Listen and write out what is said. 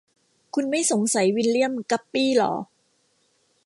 คุณไม่สงสัยวิลเลี่ยม กัปปี้หรอ ?